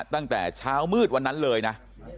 ตั้งแต่เช้ามืดวันนั้นเลยนะ